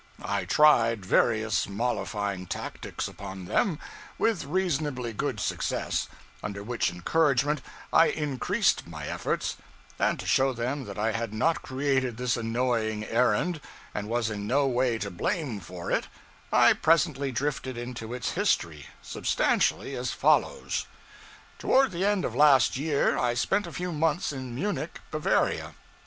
I tried various mollifying tactics upon them, with reasonably good success: under which encouragement, I increased my efforts; and, to show them that I had not created this annoying errand, and was in no way to blame for it, I presently drifted into its history substantially as follows: Toward the end of last year, I spent a few months in Munich, Bavaria.